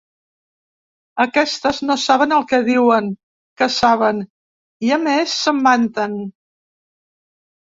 Aquestes no saben el que diuen que saben, i a més se'n vanten.